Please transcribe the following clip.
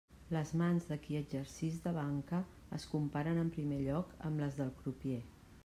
Les mans de qui exercix de banca es comparen en primer lloc amb les del crupier.